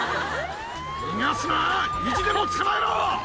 逃がすな、意地でも捕まえろ。